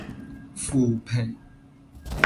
負皮